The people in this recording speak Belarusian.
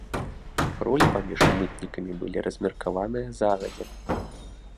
Ролі паміж мытнікамі былі размеркаваныя загадзя.